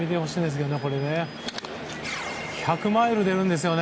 １００マイル出るんですよね。